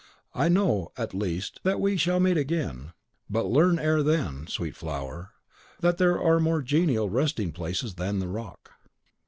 I know, at least, that we shall meet again; but learn ere then, sweet flower, that there are more genial resting places than the rock."